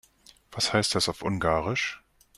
Was heißt das auf Ungarisch?